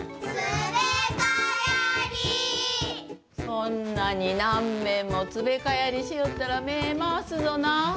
そんなになんべんもつべかやりしよったらめまわすぞな。